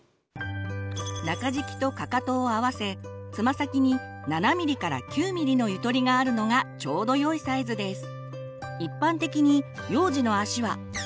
中敷きとかかとを合わせつま先に７ｍｍから９ｍｍのゆとりがあるのがちょうどよいサイズです。